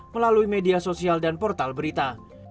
melalui media sosial dan portal berita